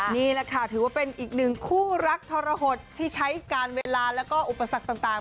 นี่แหละค่ะถือว่าเป็นอีกหนึ่งคู่รักทรหดที่ใช้การเวลาแล้วก็อุปสรรคต่าง